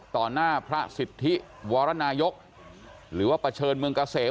หน้าพระสิทธิวรนายกหรือว่าเผชิญเมืองเกษม